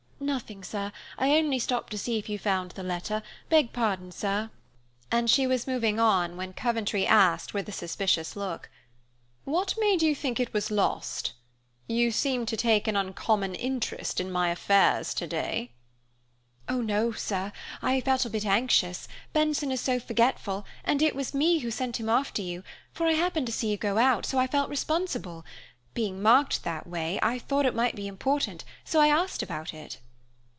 "Nothing, sir; I only stopped to see if you found the letter. Beg pardon, sir." And she was moving on when Coventry asked, with a suspicious look, "What made you think it was lost? You seem to take an uncommon interest in my affairs today." "Oh dear, no, sir. I felt a bit anxious, Benson is so forgetful, and it was me who sent him after you, for I happened to see you go out, so I felt responsible. Being marked that way, I thought it might be important so I asked about it."